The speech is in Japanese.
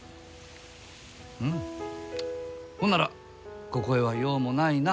うんほんならここへは用もないな。